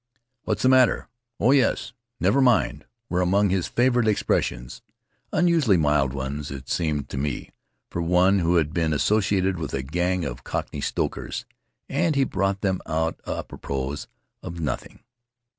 "What's the matter?' "Oh yes!' : "Never mind' : were among his favorite expressions — unusually mild ones, it seemed to me, for one who had been associated with a gang of cockney stokers; and he brought them out apropos of nothing.